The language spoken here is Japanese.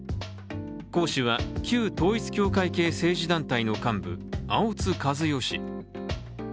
講師は旧統一教会系政治団体の幹部、青津加代氏。